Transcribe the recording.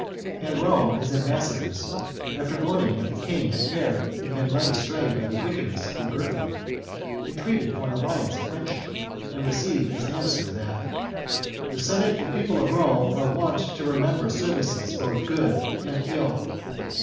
At Rome, his ambassadors, after owning that the king had erred and been led away by the wickedness of Jugurtha, entreated for an alliance of friendship, and received as answer that " The Senate and people of Rome are wont to remember services both good and ill.